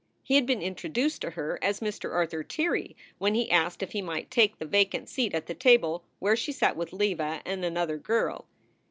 He had been introduced to her as Mr. Arthur Tirrey when he asked if he might take the va cant seat at the table where she sat with Leva and another girl.